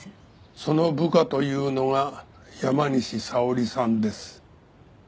その部下というのが山西沙織さんです。